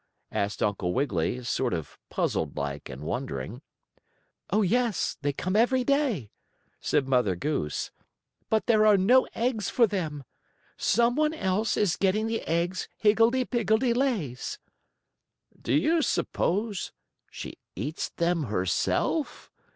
asked Uncle Wiggily, sort of puzzled like and wondering. "Oh, yes, they come every day," said Mother Goose, "but there are no eggs for them. Some one else is getting the eggs Higgledee Piggledee lays." "Do you s'pose she eats them herself?"